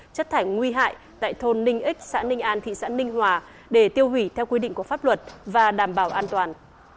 chất thải nguy hại tại thôn ninh ích xã ninh an thị xã ninh hòa để tiêu hủy theo quy định của pháp luật và đảm bảo an toàn